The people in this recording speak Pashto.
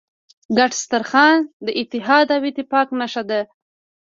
ګډ سترخوان د اتحاد او اتفاق نښه ده.